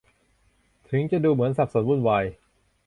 ถึงจะดูเหมือนสับสนวุ่นวาย